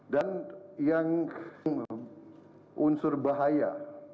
dan yang mengandung unsur bahaya